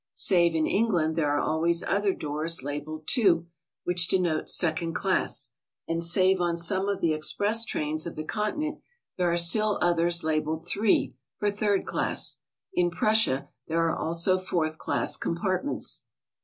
Save in England there are always other doors labelled "II.," which denotes second class. And save on some of the express trains of the Continent, there are still others labelled "HI.," for third class. In Prussia there are also fourth class compartments.